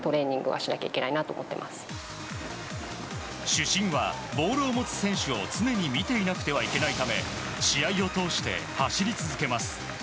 主審はボールを持つ選手を常に見ていなくてはいけないため試合を通して走り続けます。